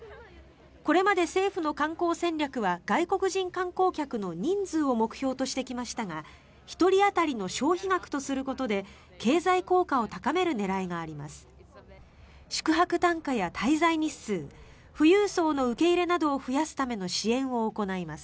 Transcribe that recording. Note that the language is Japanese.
これまで政府の観光戦略は外国人観光客の人数を目標にしてきましたが１人当たりの消費額とすることで経済効果を高める狙いがあります。